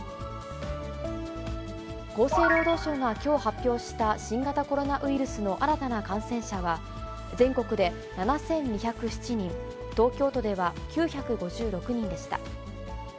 厚生労働省がきょう発表した新型コロナウイルスの新たな感染者は、全国で７２０７人、東京都では９５６人でした。